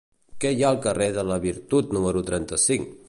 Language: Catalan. Què hi ha al carrer de la Virtut número trenta-cinc?